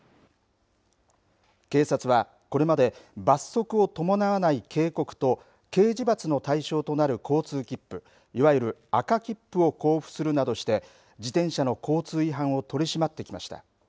警察は、これまで罰則を伴わない警告と刑事罰の対象となる交通切符いわゆる赤切符を交付するなどして自転車の交通違反を取り締まってきました。